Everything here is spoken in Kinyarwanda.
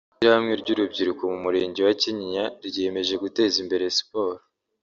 Ishyirahamwe ry’urubyiruko mu murenge wa Kinyinya ryiyemeje guteza imbere siporo